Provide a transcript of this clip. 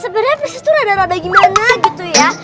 sebenernya prinses tuh rada rada gimana gitu ya